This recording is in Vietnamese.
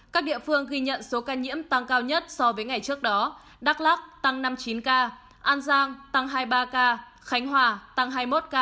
các địa phương ghi nhận số ca nhiễm tăng cao nhất so với ngày trước đó đắk lắc tăng năm mươi chín ca an giang tăng hai mươi ba ca khánh hòa tăng hai mươi một ca